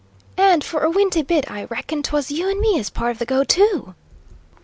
"And for a weenty bit I reckoned 'twas you and me as part of the go, too!"